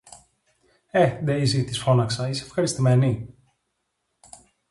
Ε, Ντέιζη, της φώναξα, είσαι ευχαριστημένη;